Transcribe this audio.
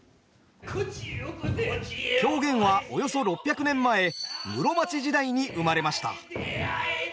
狂言はおよそ６００年前室町時代に生まれました。